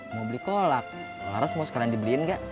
mau beli kolak laras mau sekalian dibeliin gak